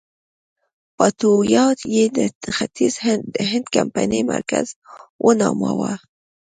باتاویا یې د ختیځ هند کمپنۍ مرکز ونوماوه.